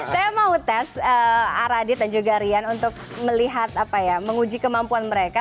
saya mau tes aradit dan juga rian untuk melihat apa ya menguji kemampuan mereka